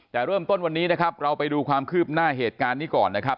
แต่เริ่มต้นวันนี้นะครับเราไปดูความคืบหน้าเหตุการณ์นี้ก่อนนะครับ